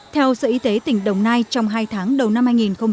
theo sở y tế tỉnh đồng nai trong hai tháng đầu năm hai nghìn một mươi chín